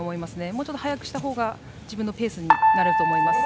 もうちょっと早くしたほうが自分のペースになると思います。